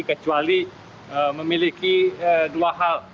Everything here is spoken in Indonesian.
kecuali memiliki dua hal